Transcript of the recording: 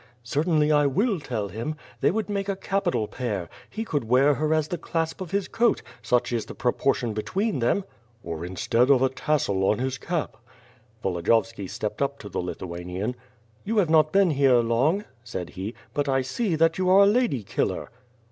"Certainly I will tell him. They would make a capital pair. He could wear her as the clasp of his coat, such is the proportion between them." "Or instead of a tassel on his cap." Yolodiyovski stepped up to the Lithuanian: 8o WITE FIRE AND SWORD. "You have not been here long/' said he, *T)ut I see that you are a lady killer."